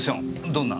どんな？